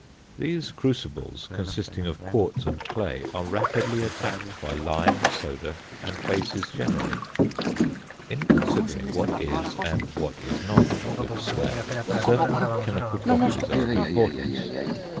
These crucibles, consisting of quartz and clay, are rapidly attacked by lime, soda and bases generally. [Illustration: FIG. 4.] In considering what is and what is not a good slag, certain chemical properties are of importance.